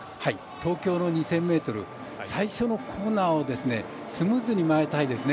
東京の２０００ｍ最初のコーナーをスムーズに曲がりたいですね。